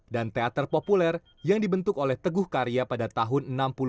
dan teater populer yang dibentuk oleh teguh karya pada tahun seribu sembilan ratus enam puluh delapan